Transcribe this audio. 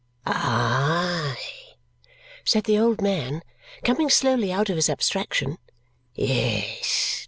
"Aye!" said the old man, coming slowly out of his abstraction. "Yes!